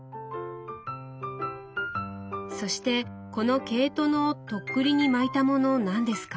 そしてこの毛糸の徳利に巻いたもの何ですか？